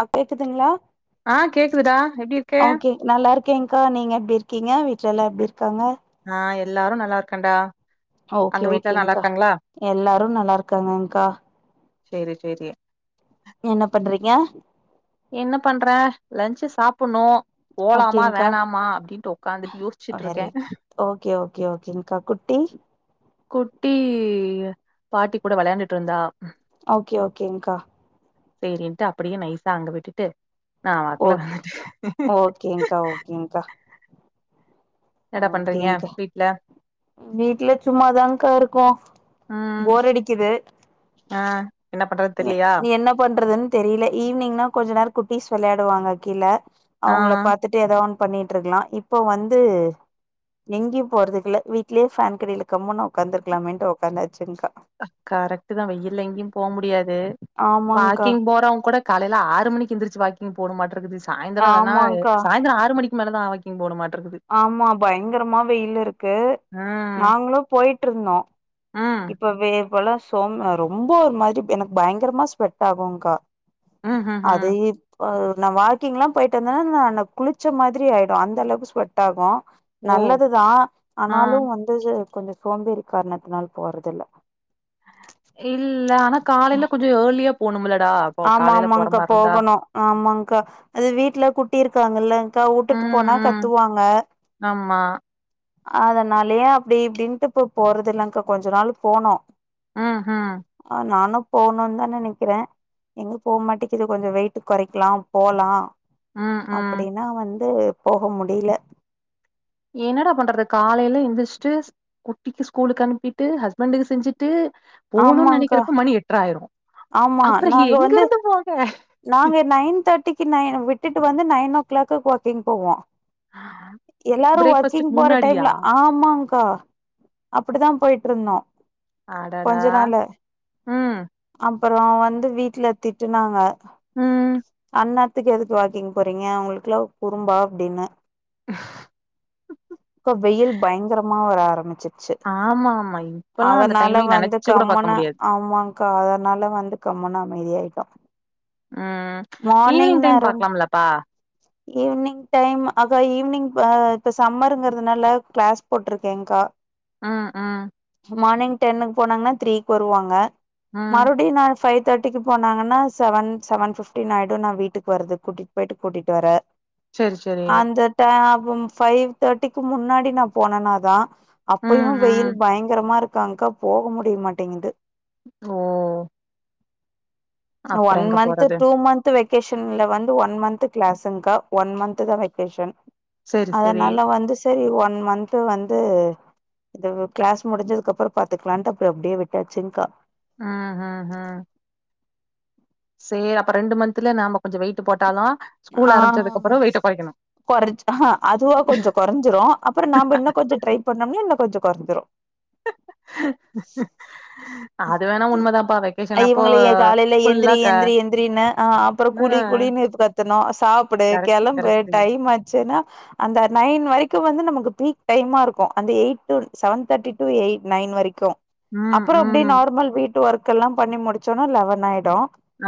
அ கேக்குதுங்களா ஆ கேக்குதுடா எப்டி இருக்கே ஓகே நல்லா இருக்கேங்க்கா நீங்க எப்டி இருக்கீங்க வீட்ல எல்லா எப்டி இருக்காங்க ஆ எல்லாரு நல்லா இருக்கன்டா ஓகே அங்க வீட்ல நல்லா ஓகேங்கா இருக்காங்களா எல்லாரு நல்லா இருக்காங்க்கா சேரி சேரி என்ன பண்றீங்க என்ன பண்றே லன்ச்சு சாப்பண்ணு போலாமா ஓகேங்க்கா வேணாமா அப்டின்ட்டு உக்காந்துட் யோச்சுட்டு இருக்கே வெரி குட். ஓகே ஓகே ஓகேங்க்கா குட்டி குட்டி பாட்டி கூட வெளையாண்டுட்டு இருந்தா ஓகே ஓகேங்க்கா சேரின்ட்டு அப்படியே நைசா அங்க விட்டுட்டு நா வாக்குல ஓக் வந்துட்டே ஓகேங்க்கா ஓகேங்க்கா என்னடா பண்றீங்க ஓகேங்க்கா வீட்ல வீட்ல சும்மாதாங்கா இருக்கோ ம் போர் அடிக்குது ஆ என்ன பண்றது எ தெரிலையா என்ன பண்றதுன் தெரியில்ல ஈவினிங்னா கொஞ்ச நேரோ குட்டிஸ் வெளையாடுவாங்க கீழ ஆ அவங்கள பாத்துட் டு எதோ ஒன் பண்ணிட்டு இருக்கலா இப்போ வந்து எங்கியு போறதுக்குல வீட்லயே ஃபேன்க்கடில கம்முனு ஒக்காந்துருக்கலாமேட்டு ஒக்காந்தாச்சுக்கா கரெக்ட் தா வெயில் எங்கயும் போம் முடியாது ஆமாங்க்கா வாக்கிங் போறவங்க கூட காலையில ஆறு மணிக்கு எந்திரிச்சு வாக்கிங் போனு மாட்ருக்குது சாயந்திர இல்லன்னா ஆமாங்க்கா சாயந்திர ஆறு மணி க்கு மேலதா ஆ வாக்கி் போனுமாட்ருக்குது ஆமா பயங்கரமா வெயில் இருக்கு ம் நாங்களு போயிட்ருந்தோ ம் இப்ப வேர் பொல சொன்ன ரொம்ப ஒரு மாரி எனக்கு பயங்கரமா ஸ்வெட் ஆகுகா ம் ம் ம் அதையே அ நா வாக்கிங் எல்லா போயிட்டு வந்தேன்னா நானு குளிச்ச மாதிரி ஆயிடு அந்த அளவுக்கு ஸ்வெட் ஆகு ஓ நல்லதுதா ஆ ஆனாலு வந்து கொஞ்சம் சோம்பேறி காரணத்துனால போறதுல்ல இல்ல ஆனா காலையில கொஞ்ச ஏர்லியா போணுமில்லடா கு ஆமா ஆமாங்கா போகணு ஆமாங்கா அது வீட்டுல குட்டி இருக்காங்கல்லக்கா வுட்டுட்டு ம் போனா ம் கத்துவாங்க ஆமா அதுனாலயே அப்டி இப்டின்ட்டு இப்ப போறது இல்லங்கா கொஞ்ச நாள் போனோ அஹா ஆ நானு போகணுன் தா நெனைக்கிறே எங்க போ மாட்டேக்குது கொஞ்ச வெயிட் கொறைக்கலா போலா ம் ம் அப்டின்னா வந்து போக முடியில என்னடா பண்றது காலையில எழுந்திரிச்சுட்டு குட்டிக்கு ஸ்கூலுக்கு அனுப்பிட்டு ஹஸ்பண்டுக்கு செஞ்சுட்டு போனுனு ஆமாங்க்கா நெனைக்கிறப்ப மணி எட்ர ஆயிரு ஆமா அப்புற நாங்க எங்க வந்து இருந்து போக நாங்க நைன் தேர்ட்டிக்கு நை விட்டுட்டு வந்து நைன் ஓ கிளாக்குக்கு வாக்கிங் போவோ எல்லாரு பிரேக்ஃபாஸ்ட்டுக்கு வாக்கிங் போற முன்னாடியா டைம்ல ஆமாங்கா அப்டித்தா போயிட்ருந்தோ அடடா ம், அப்புற வந்து வீட்டுல திட்டுனாங்க ம். அன்ன துக்கு வந்துட்டு வாக்கிங் போறீங்க உங்களுக்குல்லா குறும்பா அப்டின்னு [inaudible] இப்ப வெயில் பயங்கரமா வர ஆரம்பிச்சு ச்சு ஆமா, ஆமா. இப்பலாம் அந்த அதனால டைமிங் வந்து நெனச்சு கூட பாக்க கம்முனு முடியாது. ஆமாங் கா அதனால வந்து கம்முன்னு அமைதியாயிட்டோ ம் மார்னிங் ஈவினிங் டைம் நேரம் பாக்கலாம்லப்பா ஈவினிங் டைம் அக்கா ஈவினிங் இப்ப சம்மருங்க துனால கிளாஸ் போட்ருக்கேங்க்கா அ அ மார்னிங் டென்னுக்கு போனாங்கன்னா த்ரீக்கு வருவாங்க ம். மறுபடியு நா ஃபை தேர்ட்டிக்கு போனாங்கன்னா செவன் செவன் ஃபிஃப்டின் ஆயிடு நா வீட்டுக்கு வரதுக் கூட்டிட்டு போயிட்டு கூட்டிட்டு வர சரி, சரி. அந்த ட அப்ப ஃபைவ் தேர்ட்டிக்கு முன்னாடி நா போனேனாதா அப்பயு ம், ம். வெயில் பயங்கரமா இருக்காங்க்கா போக முடியமாட்டேங்குது ஓ ஒன் அப்புறம் எங்க மந்து போறது? டூ மந் து வெகேஷன்ல வந்து ஒன் மந்து கிளாஸுங்க்கா ஒன் மந்துதா வெகேஷன் சரி, சரி. அதனால வந்து செரி ஒன் மந்த் வந்து இது கிளாஸ் முடிஞ்சதுக்குப்புற பாத்துக்கலாம்ட்டு அப்புற அப்டியே விட்டாச்சுங்கா ம் ஹும் ஹும் சேர் அப்ப ரெண்டு மந்த்தல நாம கொஞ்சோ வெயிட்டு போட்டாதா ஆ ஸ்கூல் ஆரம்பிச்சதுக்கு அப்றோ வெயிட்ட கொறைக்கணும். கொறச் ஆஹா அதுவா கொஞ்சோ கொறஞ்சுரு அப்றோ நாம இன்னு கொஞ்சோ ட்ரை பண்ணோனா இன்னு கொஞ்சோ கொறஞ்சிரு [inaudible] அது வேணா உண்மதான்ப்பா. வெக்கேஷன் அப்போ இவங்கள ஏ காலையில ஃபுல்லா ஏந்திரி க ஏந்திரி எந்திரின்னு ஆ அப் அப்றோ ஆ குழி குழின்னு கத்தனு சாப்பிடு கரெக்ட்டு, கெளம்பு கரெக்ட்டு. டைம் ஆச்சுன்னா அந்த நைன் வரைக்கு வந்து நமக்கு பீக் டைமா இருக்கு அந்த eight two seven thirty two eight nine வரைக்கு ம் ம் அதுக்குமேல வீட்டு ஒர்க் எல்லா பண்ணி முடிச்சோனா லெவன் ஆயிடு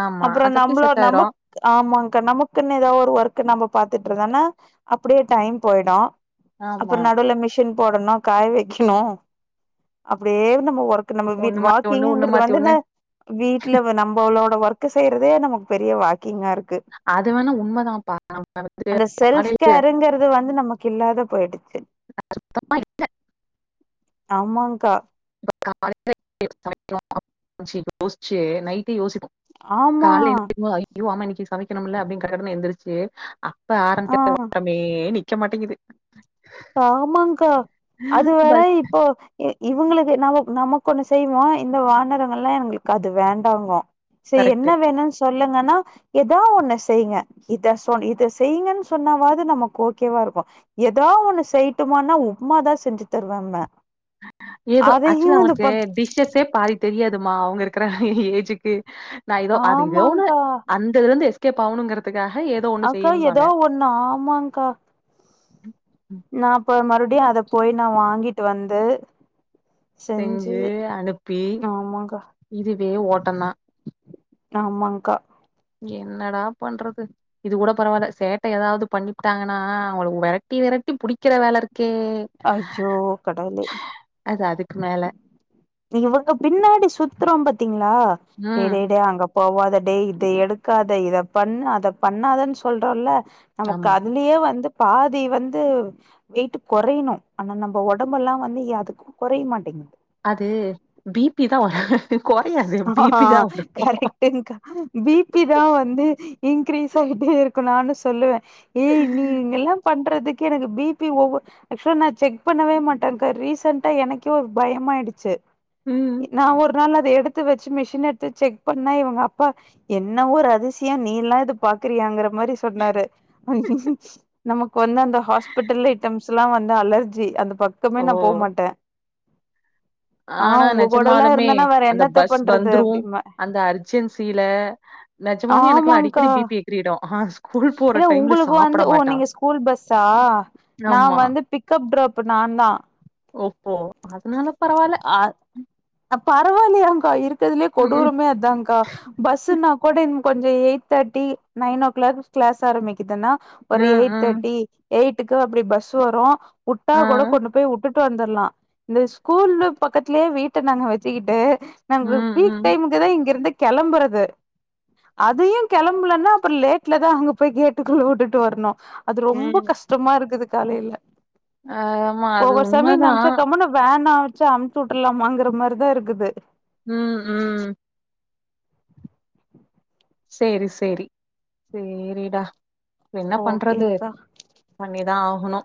ஆமா. அப்றோ அது அப்படியே நம்பளோட செட் ஆயிரும். நமக் ஆமாங்க்கா நமக்குன்னு எதாவது ஒர்க் நம்ம பாத்துட்டு இருந்தோனா அப்டியே டைம் போயிடு ஆமா அப்றோ நடுல மிஷின் போடணு காய வைக்ணு அப்டியே நம்ம ஒர்க் [unintelligible] நம்ம வீட் ஒண்ணு மாத்தி ஒண்ணு ஒண்ணு வாக்கிங்கங்றது மாத்தி ஒண்ணு வந்துதா வீட்ல நம்மளோட ஒர்க்க செய்யறதே நமக்கு பெரிய வாக்கிங்கா இருக்கு அது வேணா உண்மதான்ப்பா நம்ம வந்துட்டு அந்த செல்ஃப் காலையிலலாம் கேருங்கறது வந்து நம்ம கில்லாத போயிடுச்சு இல்ல ஆமாங்க்கா [unintelligible] ஆமா கால எந்திரிக்கும் ஐய்யயோ ஆமா இன்னக்கி சமைக்கணும்ல டக்கு டக்குன்னு எந்திருச்சு ஆரம்பிக்க ஆ [unintelligible] நிக்க மாட்டேங்குது ஆமாங்க்கா அது வேற பஸ் இப்ப இவங்ளுக்கு என்ன து நம நமக்கொண்ணு செய்வோ இந்த வானரங்கலா எங்களுக்கு அது வேண்டாங்கு செரி என்ன கரெக்ட் வேணு சொல்லுங்கன்னா ஏதோ ஒன்ன செய்ங்க இத சொ இத செய்ங்கனு சொன்னாவாது நமக்கு ஓகேவா இருக்கு ஏதோ ஒன்று செய்யட்டுமானா உப்மாதா செஞ்சு தருவான்ன ஏதோ ஆக்சுவலா அவருக்கு டிஷ்ஷஸ்ஸே பாதி தெரியாதுமா அவங்க இருக்கிற ஏஜுக்கு நா ஏதோ அது ஏதோன்னு ஆமாங்கா அந்ததுலருந்து எஸ்கேப் ஆகனுங்க அக்கா எதா ஒண்ணு ஆமாங்க்கா நா போ மறுபடியு அத போய் நா வாங்கிட்டு வந்து செஞ்சு அனுப்பி ஆமாங்க்கா இதுவே ஓட்டந்தா ஆமாங்க்கா என்னடா பண்றது இது கூட பரவால்ல சேட்ட எதாவது பண்ணிபுட்டாங்கனா அவங்கள வெரட்டி வெரட்டி புடிக்கிற வேல இருக்கே அய்யோ கடவுளே அது அதுக்கு மேல இவங்க பின்னாடி சுத்துரோ பாத்தீங்ளா டே ம் டே அங்க போவாத டே இத எடுக்காத இத பண்ணாத அத பண்ணாதனு சொல்றோல்ல நமக்கு ஆமா அ துலயே வந்து பாதி வந்து வெயிட்டு கொறையணு ஆனா நம்ம ஒடம்பல்லா வந்து அதுக்கு கொறைய மாட்டேங்குது அது பி பி தா வர கொறையாது ஆ பி பி தா வரு [unintelligible] பி பி தா வந்து இன்கிரீஸ் ஆகிட்டே இருக்கு நானு சொல்லுவே ஏய் நீங்கெல்லா பண்றதுக்கு எனக்கு பி பி ஓவரா ஆக்சுவலா நா செக் பண்ணவே மாட்டேங்க்கா ரீசன்ட்டா எனக்கே ஒரு பயமாயிடுச்சு ம் நா ஒரு நாள் அத எடுத்து வெச்சு மிஷின் எடுத்து செக் பண்ணா இவுங்க அப்பா என்ன ஒரு அதிசியோ நீயெல்லா இது பாக்குறியாங் மாரி சொன்னாரு நமக்கு வந்து அந்த ஹாஸ்பிட்டல்ல ஐட்டம் ட்ஸ்ல்லா வந்து அலர்ஜி அந்த பக்கமே ஓ நா போ மாட்ட ஆ ஆனா உங்க கூடலா இரு நெஜமாலுமே இருந்தனா வேற அந்த என்னத்த பஸ் பண்றது வந்துரு அப்டிம்ப அந்த அர்ஜென்சில நெஜமாலுமே எனக்குலா அடிக்கடி ஆமாங்க்கா பி பி எகிறிடு ஆ ஸ்கூல் போற இல்ல டைம்ல உங்ளுக்கு வந்து சாப்ட ஓ மாட்டா நீங்க ஸ்கூல் பஸ்ஸா நா ஆமா வந்து பிக்கப் ட்ராப்பு நாந்தா ஒப்போ அதுனால பரவால்ல அ பரவால்லயாங்க்கா இருக்கருதுலயே ம் கொடூரமே அதாங்க்கா பஸ்ஸுன்னா கூட இன் கொஞ்சோ eight thirty nine o'clock class ஆரம்பிக்குதுனா ம் ஒரு எயிட் ம் ம் தர்ட்டி எய்ட்டுக்கு அப்டி பஸ் வரு உட்டா ஆ கூட கொண்டு போய் உட் விட்டுட்டு வந்துட்லா இந்த ஸ்கூலு பக்கத்துலயே வீட்ட நாங்க வச்சுக்கிட்டு நம்ப ம் பீக் ம் டைமுக்கு தா இங்கிருந்து கெளம்புறது அதயு கெளம்லனா அப்றோ லேட்ல தா அங்க போய் கேட்டுக்குள்ள விட்டுட்டு வரணு அது ரொம்ப ம் கஷ்டமா இருக்குது காலைல ஆமா அது ஒவ்வொரு சமய உண்மதா நெனச்சா கம்முனு வேன் ஆச்சு அமுச்சு விட்ரலாமாங்குற மார்தா இருக்குது ம் ம் செரி செரி சேரிடா என்ன பண்றது ஓகேங்க்கா பண்ணிதா ஆகணு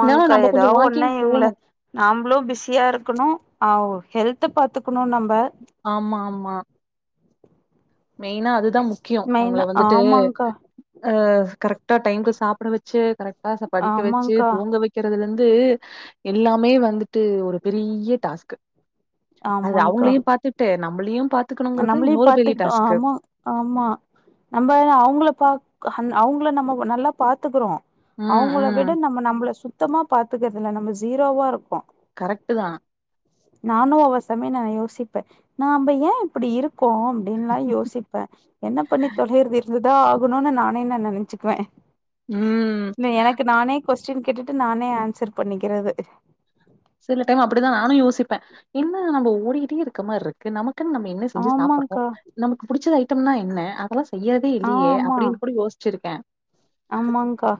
இருந்தாலு நம்ம கொஞ்சோ எதாது ஒன்னு வாக்கிங் இவங்கள போணு நாம்ளு பிஸியா இருக்கணு அ உ ஹெல்த பாத்துக்கணு நம்ப ஆமா ஆமா மெயினா அதுதா முக்கிய அவங்கள மெயினா வந்துட்டு ஆமாங்க்கா ஆ கரெக்டா டைமுக்கு சாப்ட வச்சு கரெக்டா படிக்க வச்சு ஆமாங்க்கா தூங்க வைக் வக்கிறதுலருந்து எல்லாமே வந்துட்டு ஒரு பெரிய டாஸ்க்கு அது அவங்களையு பாத்துட்டு நம்மளயு பாத் நம்மளயு பாத்துக்கிட்டோ ஆமா ஆமா நம்ம அவங்கள பாக் அவங்கள நம்ம நல்லா பாத்துக்குறோ ம் அவங்கள ம் விட நம்ம நம்மள சுத்தமா பாத்துக்குறதுல நம்ம ஜீரோவா இருப்போ கரெக்ட்டு தா நானு ஒவ்வொரு சமய நா யோசிப்ப நாம்ப ஏ இப்டி இருக் கோ அப்டின்லா யோசிப்ப என்ன பண்ணி தொலையுறது இது தா ஆகணுனு நானே நா நெனச்சுக்குவ ம் இல்ல எனக்கு நானே கொஸ்டின் கேட்டுட்டு நானே ஆன்சர் பண்ணிக்கிறது சில டைம் அப்டிதா நானு யோசிப்பே என்ன நம்ம ஓடிகிட்டே இருக்க மார் இருக்கு நமக்கன்னு நம் என்ன செஞ்சு சாப்ட்றோ ஆமாங்க்கா நமக்கு பிடிச்ச ஐட்டம்னா என்ன அதெல்லா செய்யிறதே ஆ இல்லயே ஆமா அப்டின் கூட யோசி சிருப்ப ஆமாங்க்கா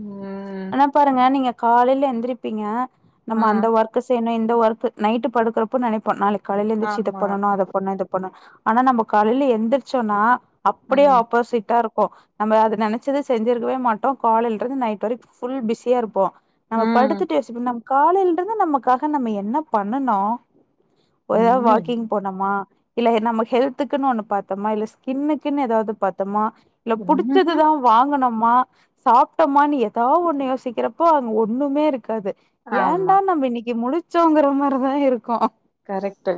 ம் ஆனா பாருங்க நீங்க காலைல எந்திரிப்பீங்க நம்ம ஆ அந்த ஒர்க்கு செய்யணு இந்த ஒர்க் நைட்டு படுக்கறப்ப நினைப்ப நாளைக்கு காலைல எந்துருச்சு இத ஆமா பண்ணணு அத பண்ணு இத பண்ணு ஆனா நம்ம கலைல எந்திரிச்சோனா அப்டியே ம் ஆப்போசிட்டா இருக்கு போ நம்ம அத நினைச்சத செஞ்சுருக்கவே மாட்டோ காலைல இருந்து நைட் வரைக்கு புல் பிஸியா இருப்போ நம்ம ம் படுத்துட்டு யோசிப்பே நம்ம காலைல இருந்து நமக்காக நம்ம என்ன பண்ணுணோ போயா ஒண்ணு இல்ல வாக்கிங் போனோமா இல்ல நம்ம ஹெல்த்துக்குன் ஒன்னு பாத்தமா இல்ல ஸ்கின்னுக்குன் எதாவது பாத்தமா இல்ல ம்ஹ்ம் புடிச்சதுதா வாங்குனமா சாப்ட்டமான் எதாவது ஒன்னு யோசிக்கிறப்போ அங்க ஒன்னுமே இருக்காது ஆமா ஏன்டா நம்ம இன்னிக்கு முழிச்சோங்கிற மாரிதா இருக்கோ கரெக்டு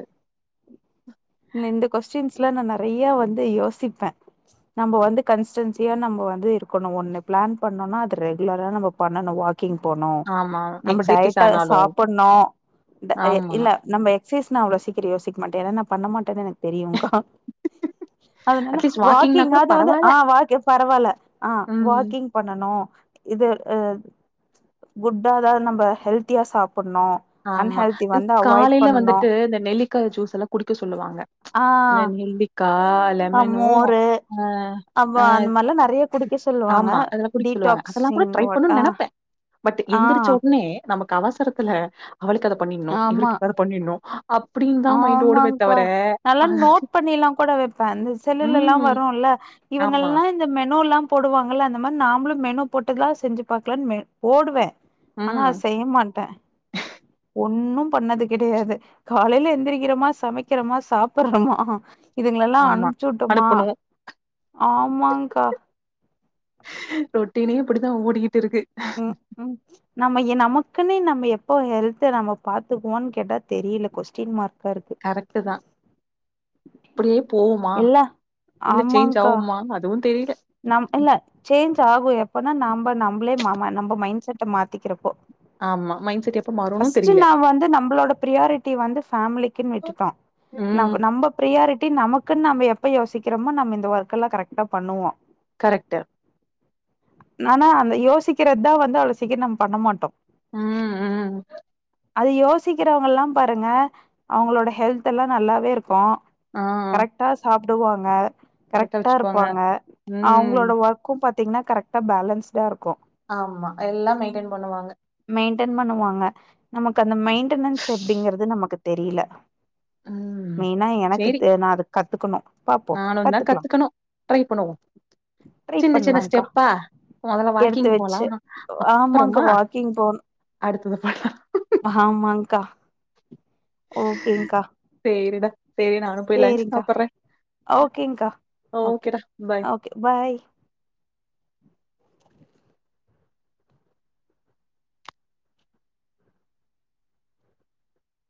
இல்ல இந்த கொஸ்டின்ஸ்ல நா நறய வந்து யோசிப்பே நம்ம வந்து கன்ஸ்டன்சியா நம்ம வந் இது இருக்கணூ ஒண்ணு பிளான் பண்ணோணா அது ரெகுலரா நம்ம பண்ணணு வாக் வாக்கிங் போணோ ஆமா நம்ம எக்ஸசைஸ் டயட்டா ஆனாலு சாப்புண்ணோ அ ஆமா இல்ல நம்ம எக்சைஸ்னா அவ்ளோ சீக்கிறோ யோசிக்க மாட்டே என்ன்னா நா பண்ண மாட்டேன்னு எனக்கு தெரியுங்கா அதனால அட்லீஸ்ட் வாக்கிங்னா கூட வாக்கிங்காவது வந்து பரவால்ல ஆ வாக் பரவால்ல ஆ ம் வாக்கிங் பண்ணணோ இது அ குட்டாதாவது நம்ம ஹெல்த்தியா சாப்பட்ணோ ஆமா இத் காலைல வந்துட்டு இந்த நெல்லிக்காய் ஜூஸ்ல்லா குடிக்க சொல்லுவாங்க ஆ இந் நெல்லிக்கா ஆ லெமனூ மோரு அ அப்ப அ அந்த மாரிலா நெறைய குடிக்க சொல்லுவாங்க ஆமா இதெல்லா குடிக்க சொல்லுவாங்க அதெல்லா கூட டீடாக்சிங் ட்ரை வாட் பண்ணனு ஆ நினப்பே பட் ஆ எந்திருச்ச உட்னே நமக்கு அவசரத்துல அவளுக்கு அதப் பண்ணின்னோ ஆமா இவருக்கு ஏதாவது பண்ணிட்ணோ அப்படின் தா மைண்ட் ஓடுமே தவிர இத்தெ நோட் பண்ண எல்லாம் கூட வைப்பே செல்லல்லா கூட ம். வரும்ல்ல ஆமா. இவங்கல்லா இந்த மெனோல்லா போடுவாங்களல்ல அந்த மாதிரி நாமளும் மெனோ போட்டுல்லா செஞ்சு பாக்கலான்னு போடுவே ஆனா அத செய்ய மாட்டே ஹ ஒண்ணும் பண்ணது கிடையாது காலையில எழுந்திரிக்கிறோமா சமைக்கிறோமா சாப்பிடுறோமா இதுங்களெல்லா ஆமா. அனுப்பிச்சுட்டோமா அனுப்பணும். ஆமாங்கா ரொட்டினே இப்படித்தா ஓடிக்கிட்டு இருக்கு ம் நம்ம ஏ நமக்குன்னே நம்ம எப்போ ஹெல்த நம்ம பாரத்துக்குவோம்ன்னு கேட்டா தெரியல கொஸ்டின் மார்க் கரெக்டு தா அப்படியே போவ்வுமா இல்ல இல்லை சேஞ்ச் ஆமாங்க்கா ஆவ்மா அதுவும் தெரியல நம் இல்ல சேஞ்ச் ஆகும் எப்பனா நாம நம்மளே நம்ம மைண்ட செட்ட மாத்திக்கிறப்போ ஆமா மைன்ட் செட் எப்ப மாறும்னும் பர்ஸ்ட் தெரியல. நா வந்து நம்மளோட பிரியாரிட்டி வந்து ஃபமிலிக்கின்னு விட்டுட்டோ ம். நாம நம்ப பிர்ரியாரிட்டி நமக்குன்னு நம்ம எப்போ யோசிக்கிறோமோ நம்ம இந்த ஒர்க் எல்லாம் கரெக்டா பண்ணுவோ கரெக்ட்டு ஆனா அந்த யோசிக்கிறது தா வந்து அவ்ளே சீக்கிரம் நம் பண்ண மாட்டோ ம் ம் அது யோசிக்கிறவங்கல்லா பாருங்க அவங்களோட ஹெல்த எல்லாம் நல்லாவே இருக்கோ ஆ. கரெக்டா சாப்பிடுவாங்க கரெக்ட்டா கரெக்டா வச்சுக்குவாங்க. இருப்பாங்க ம். அவங்களோட ஒர்க் கு பாத்தீங்கன்னா கரெக்டா பேலன்ஸ்டா இருக்கோ ஆமா எல்லா மெயின்டென் பண்ணுவாங்க மெயின்டென் பண்ணுவாங்க நமக்கு அந்த மெயின்டனன்ஸ் எப்படிங்கறது நமக்கு தெரியல ம். மெயினா எனக்கு தெ நா அத கத்துக்கணோ நானும் தா கத்துக்கணோ ட்ரை பண்ணுவோ ட்ரை சின்ன சின்ன பண்ணலாங்க்கா ஸ்டெப்பா முதல்ல எடுத்து வாக்கிங் போனோ வச்சு மா ஆமாங்க்கா அப்புறமா வாக்கிங் அடுத்தது பண்லா ஆமாங்கா ஓகேங்க்கா சரிடா சரி நானும் போய் லன்ச் சேரிங்க்கா சாப்புறே ஓகேங்க்கா ஓகே பாய் ஓகே பாய்